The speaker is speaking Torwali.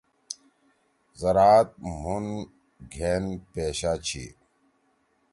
زراعت مُھن گھین پیشا چھی۔